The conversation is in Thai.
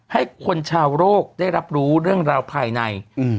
ให้คนชาวโรคได้รับรู้เรื่องราวภายใน